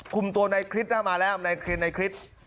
คุมตัวในคริสต์มาแล้วในคริสต์